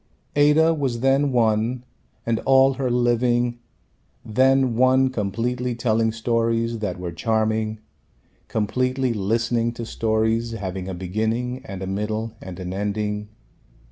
Ada was then one and all her living then one completely telling stories that were charming, completely listening to stories having a beginning and a middle and an ending.